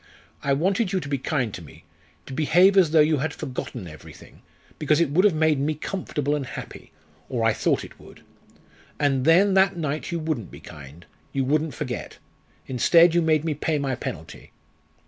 I wanted you to be kind to me, to behave as though you had forgotten everything, because it would have made me comfortable and happy; or I thought it would. And then, that night you wouldn't be kind, you wouldn't forget instead, you made me pay my penalty."